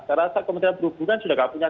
saya rasa kementerian perhubungan sudah tidak punya